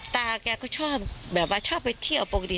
แกก็ชอบแบบว่าชอบไปเที่ยวปกติ